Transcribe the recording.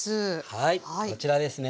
はいこちらですね。